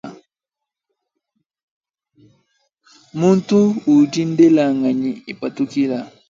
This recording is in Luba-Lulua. Muntu udi ndelanganyi ipatukila.